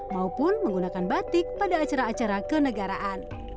maupun menggunakan batik pada acara acara ke negara